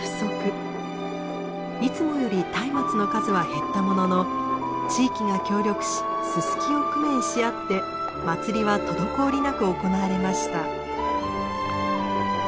いつもより松明の数は減ったものの地域が協力しススキを工面し合って祭りは滞りなく行われました。